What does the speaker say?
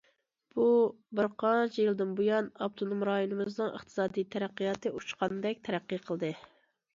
بۇ بىر قانچە يىلدىن بۇيان، ئاپتونوم رايونىمىزنىڭ ئىقتىسادىي تەرەققىياتى ئۇچقاندەك تەرەققىي قىلدى.